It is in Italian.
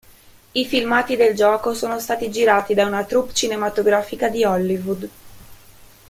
I filmati del gioco sono stati girati da una troupe cinematografica di Hollywood.